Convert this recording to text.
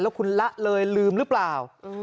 คุณละเลยลืมหรือเปล่า